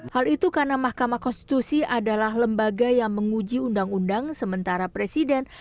hal itu karena mahkamah konstitusi adalah lembaga yang menguji undang undang sementara presiden